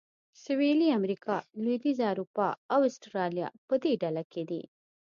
سویلي امریکا، لوېدیځه اروپا او اسټرالیا په دې ډله کې دي.